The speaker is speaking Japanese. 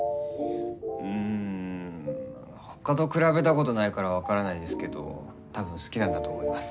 うんほかと比べたことないから分からないですけど多分好きなんだと思います。